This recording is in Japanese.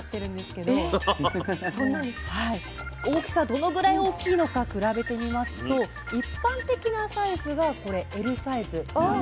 大きさどのぐらい大きいのか比べてみますと一般的なサイズがこれＬサイズ３ｇほどです。